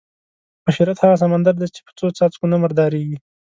بشریت هغه سمندر دی چې په څو څاڅکو نه مردارېږي.